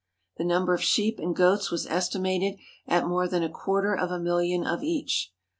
The number of sheep and goats was estimated at more than a quarter of a million of each.